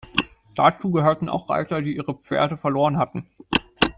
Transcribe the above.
Dazu gehörten auch Reiter, die ihre Pferde verloren hatten.